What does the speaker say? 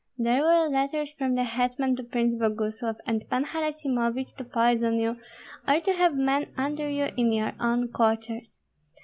There were letters from the hetman to Prince Boguslav and Pan Harasimovich to poison you, or to have men under you in your own quarters.